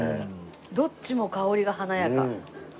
どっちも香りが華やか。